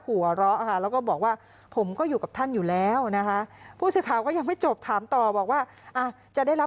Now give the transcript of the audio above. ไปดูอาการของคุณสุชาติหน่อยค่ะว่ายังไงค่ะ